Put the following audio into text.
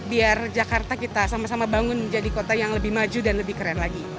biar jakarta kita sama sama bangun menjadi kota yang lebih maju dan lebih keren lagi